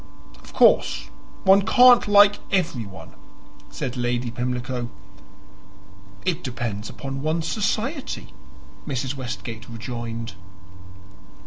"Of course one can't like everyone," said Lady Pimlico. "It depends upon one's society," Mrs. Westgate rejoined.